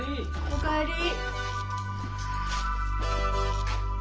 お帰り。